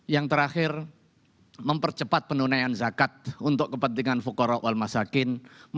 yang terakhir mempercepat penunaian zakat untuk kepentingan fukorok wal masakin